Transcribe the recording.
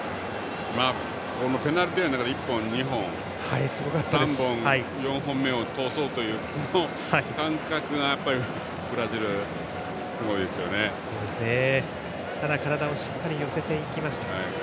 ペナルティーエリアの中で４本目を通そうという感覚がただ、体をしっかり寄せていきました。